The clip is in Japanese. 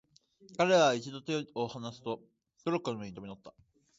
彼等は一度に手をはなすと、トロッコの上へ飛び乗った。